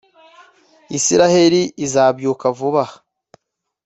israheli izabyuka vuba aha